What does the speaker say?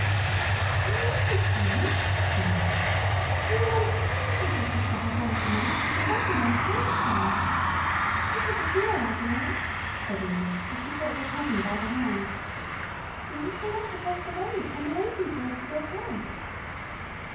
"Oh, yes, Miss Green," said Edith, "you remember that Betty's little sister has one of the mugs, and Betty once showed it to me." "Look at the deer, Adelaide," said Edith, as she caught her cousin by the hand. "See, they want to cross the road, and are waiting for us to go past."